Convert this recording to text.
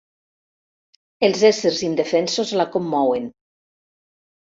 Els éssers indefensos la commouen.